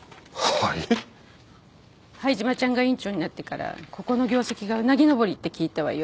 灰島ちゃんが院長になってからここの業績がうなぎ上りって聞いたわよ。